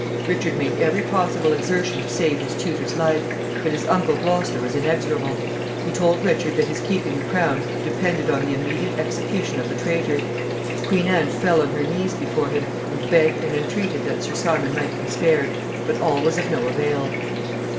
Richard made every possible exertion to save his tutor's life, but his uncle Gloucester was inexorable. He told Richard that his keeping the crown depended on the immediate execution of the traitor. Queen Anne fell on her knees before him, and begged and entreated that Sir Simon might be spared, but all was of no avail.